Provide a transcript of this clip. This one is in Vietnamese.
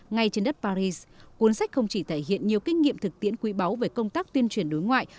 ngay trên đất paris cuốn sách không chỉ thể hiện nhiều kinh nghiệm thực tiễn quý báu về công tác tuyên truyền đối ngoại